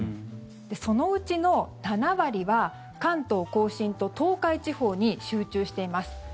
そのうちの７割は関東・甲信と東海地方に集中しています。